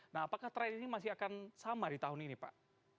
nah apakah tren ini masih akan sama di tahun ini pak